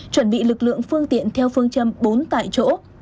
chuẩn bị lực lượng phương tiện theo phương châm bốn tại chỗ